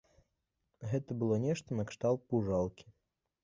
Гэта было нешта накшталт пужалкі.